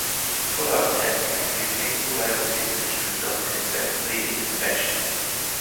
Follow-up tests can include painful biopsies which can result in excessive bleeding and infection.